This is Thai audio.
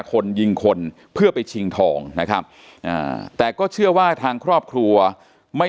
คนยิงคนเพื่อไปชิงทองนะครับแต่ก็เชื่อว่าทางครอบครัวไม่